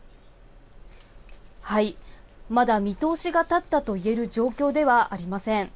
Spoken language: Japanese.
まだ見通しが立ったと言える状況ではありません。